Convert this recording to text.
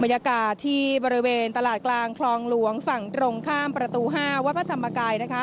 มันงามมาที่ตลาดกลางคลองหลวงฝั่งตรงข้ามประตู๕๑วาภาธรรมกาย